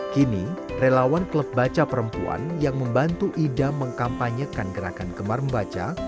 kini relawan klub baca perempuan yang membantu ida mengkampanyekan gerakan gemar membaca